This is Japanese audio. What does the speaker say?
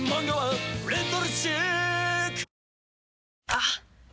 あっ！